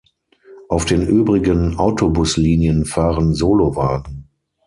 Auf den übrigen Autobus-Linien fahren Solowagen.